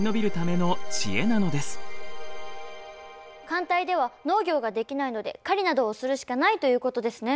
寒帯では農業ができないので狩りなどをするしかないということですね。